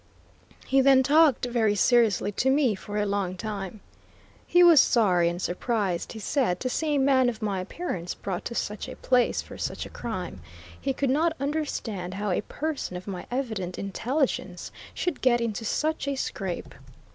He then talked very seriously to me for a long time. He was sorry, and surprised, he said, to see a man of my appearance brought to such a place for such a crime; he could not understand how a person of my evident intelligence should get into such a scrape.